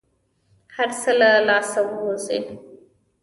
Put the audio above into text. هر څه له لاسه ووزي.